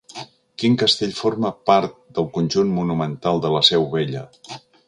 Quin castell forma part del conjunt monumental de La Seu Vella?